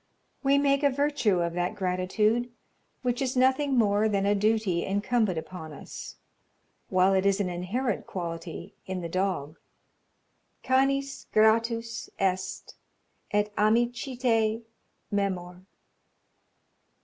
We make a virtue of that gratitude which is nothing more than a duty incumbent upon us, while it is an inherent quality in the dog. "Canis gratus est, et amicitiæ memor."